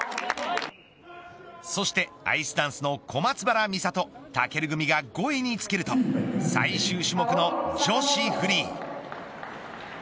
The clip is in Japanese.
そして、アイスダンスの小松原美里・尊組が５位につけると最終種目の女子フリー。